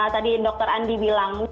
tadi dokter andi bilang